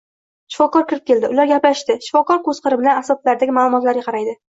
Shifokor kirib keldi, ular gaplashishadi, shifokor ko`z qiri bilan asboblardagi ma`lumotlarga qaraydi